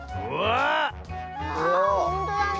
あほんとだね。